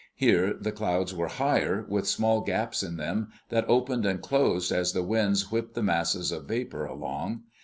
Here the clouds were higher, with small gaps in them that opened and closed as the winds whipped the masses of vapor along.